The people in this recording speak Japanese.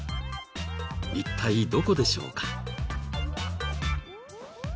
一体どこでしょうか？